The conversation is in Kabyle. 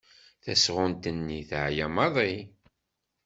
Tasɣunt-nni teεya maḍi.